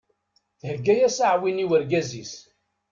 Thegga-yas aɛwin i wergaz-is.